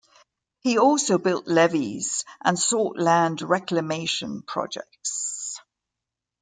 He also built levees and sought land reclamation projects.